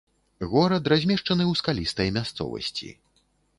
Горад размешчаны ў скалістай мясцовасці.